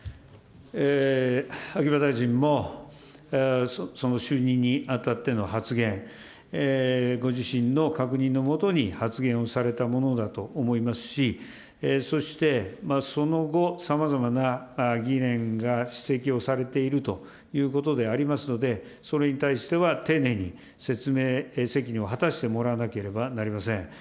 秋葉大臣も、その就任にあたっての発言、ご自身の確認のもとに発言をされたものだと思いますし、そして、その後さまざまな疑念が指摘をされているということでありますので、それに対しては丁寧に説明責任を果たしてもらわなければなりません。